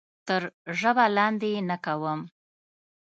تر ژبه لاندې یې نه کوم.